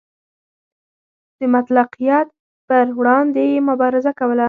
د مطلقیت پر وړاندې یې مبارزه کوله.